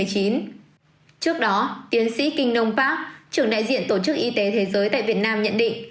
trước đó tiến sĩ kinh nông pháp trưởng đại diện tổ chức y tế thế giới tại việt nam nhận định